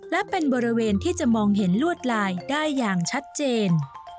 และเป็นบริเวณที่จะมองเห็นลวดลายได้อย่างชัดเจน